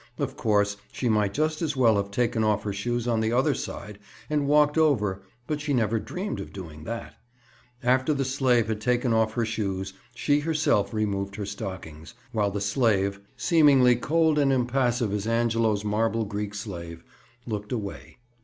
Of course, she might just as well have taken off her shoes on the other side and walked over but she never dreamed of doing that. After the slave had taken off her shoes, she herself removed her stockings, while the slave (seemingly cold and impassive as Angelo's marble Greek slave) looked away.